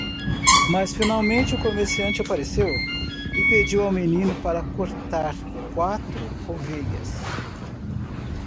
Mas finalmente o comerciante apareceu? e pediu ao menino para cortar quatro ovelhas.